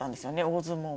大相撲。